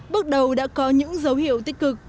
bước đầu đã có những dấu hiệu tích cực